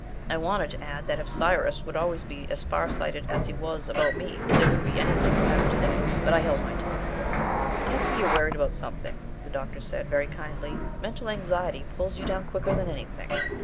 I wanted to add that if Cyrus would always be as far sighted as he has been about me there wouldn't be anything the matter to day, but I held my tongue. "I see you're worried about something," the doctor said, very kindly. "Mental anxiety pulls you down quicker than anything."